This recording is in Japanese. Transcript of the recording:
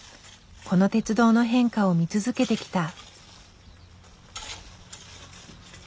この鉄道の変化を見続けてきた。